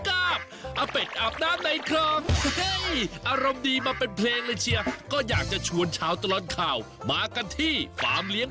้าปเป็นอาบด้านเลยเฮ้ยอรมดีมาเป็นเพลงเลยเชียวก็อยากจะชวนชาวตลอดข่าวมากันที่ฝามเลี้ยง